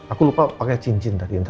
aku lupa pakai cincin tadi